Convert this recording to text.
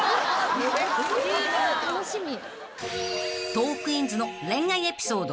［トークィーンズの恋愛エピソード］